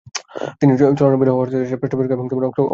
তিনি চলানবিল হর্স রেসের পৃষ্ঠপোষক এবং অংশগ্রহণকারী ছিলেন।